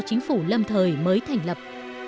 chính phủ lâm thời mới thành lập